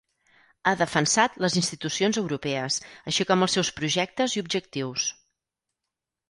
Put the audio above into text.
Ha defensat les institucions europees, així com els seus projectes i objectius.